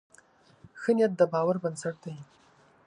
ښه نیت د باور بنسټ دی.